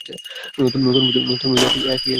নতুন বন্ধু, একই তুচ্ছ দুর্বলতা।